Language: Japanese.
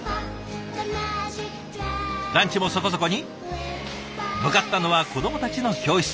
ランチもそこそこに向かったのは子どもたちの教室。